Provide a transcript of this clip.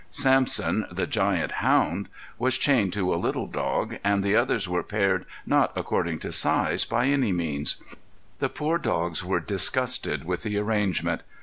Samson, the giant hound, was chained to a little dog, and the others were paired not according to size by any means. The poor dogs were disgusted with the arrangement.